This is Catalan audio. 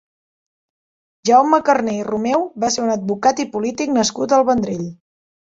Jaume Carner i Romeu va ser un advocat i polític nascut al Vendrell.